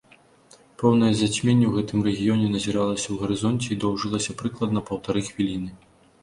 Поўнае зацьменне ў гэтым рэгіёне назіралася ў гарызонце і доўжылася прыкладна паўтары хвіліны.